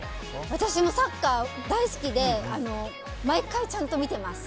私もサッカー大好きで毎回ちゃんと見てます。